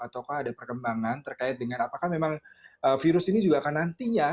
ataukah ada perkembangan terkait dengan apakah memang virus ini juga akan nantinya